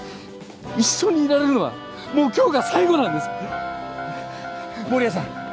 一緒にいられるのはもう今日が最後なんです守屋さん